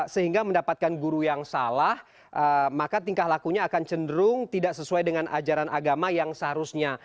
sehingga mendapatkan guru yang salah maka tingkah lakunya akan cenderung tidak sesuai dengan ajaran agama yang seharusnya